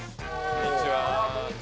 こんにちは。